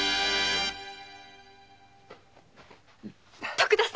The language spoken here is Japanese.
徳田様！